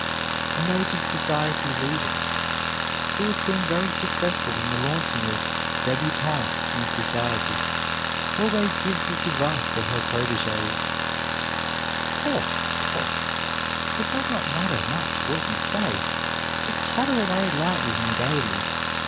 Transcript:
A noted society leader, who has been very successful in the launching of débutantes in society, always gives this advice to her protégés, "Talk, talk. It does not matter much what you say, but chatter away lightly and gayly.